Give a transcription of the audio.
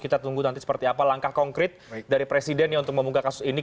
kita tunggu nanti seperti apa langkah konkret dari presiden untuk membuka kasus ini